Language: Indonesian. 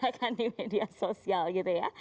hangat hangatnya dibicarakan di media sosial gitu ya